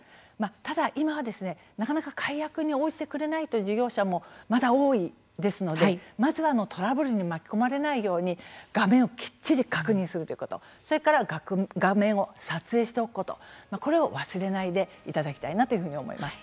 ただ、今はなかなか解約に応じてくれないという事業者もまだ多いですのでまずはトラブルに巻き込まれないように画面をきっちり確認するということそれから画面を撮影しておくことこれを忘れないでいただきたいなと思います。